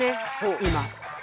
今。